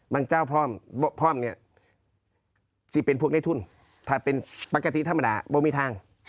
บางเจ้าพร้อมพร้อมเนี้ยจะเป็นพวกในทุนถ้าเป็นปกติธรรมดาเรามีทาง